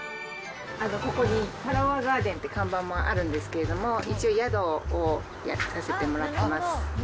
ここにカラオアガーデンって看板もあるんですけど、一応宿をさせてもらってます。